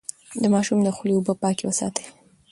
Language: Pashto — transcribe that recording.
د ماشوم د خولې اوبه پاکې وساتئ.